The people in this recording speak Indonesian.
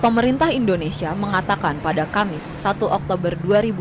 pemerintah indonesia mengatakan pada kamis satu oktober dua ribu dua puluh